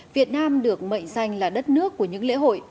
việt nam được mệnh danh là đất nước của những lễ hội